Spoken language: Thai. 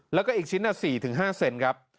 แล้วก็อีกชิ้น๔๕เซนติเมตรครับ